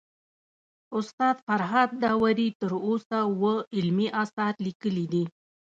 استاد فرهاد داوري تر اوسه اوه علمي اثار ليکلي دي